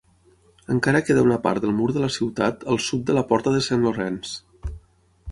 Encara queda una part del mur de la ciutat al sud de la Porta de Saint Laurence.